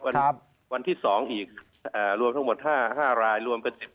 วันที่๒อีกรวมทั้งหมด๕รายรวมเป็น๑๐